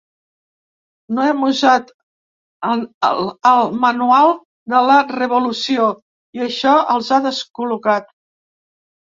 No hem usat el el "manual de la revolució" i això els ha descol·locat.